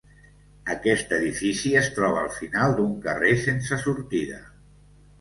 Aquest edifici es troba al final d'un carrer sense sortida.